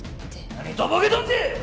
何とぼけとんじゃ！